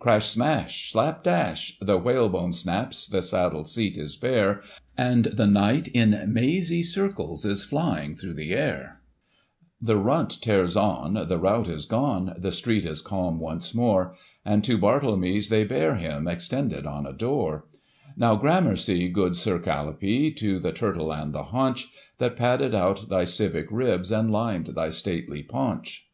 Crash — smash — slap dash ! The whalebone snaps, the saddle seat is bare, And the Knight, in mazy circles, is flying thro' the air ! The runt tears on, the rout is gone, the street is calm once more. And to Bartlemy's they bear him, extended on a door ; Now, gramercy, good SiR Calipee, to the turtle and the haunch, * That padded out thy civic ribs, and lined thy stately paunch.